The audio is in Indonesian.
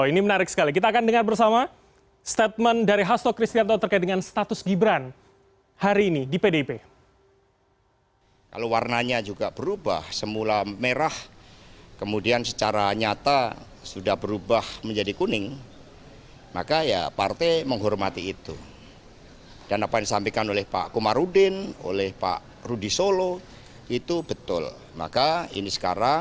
ini menarik sekali kita akan dengar bersama statement dari haslo kristianto terkait dengan status gibran